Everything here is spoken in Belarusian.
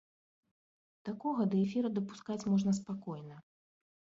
Такога да эфіру дапускаць можна спакойна.